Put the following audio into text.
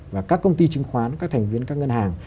và các công ty chứng khoán các thành viên các ngân hàng